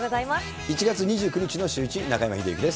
１月２９日のシューイチ、中山秀征です。